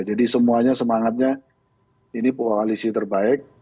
jadi semuanya semangatnya ini koalisi terbaik